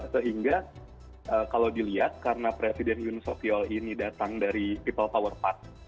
sehingga kalau dilihat karena presiden yoon seok yeol ini datang dari people power party